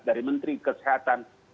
dari menteri kesehatan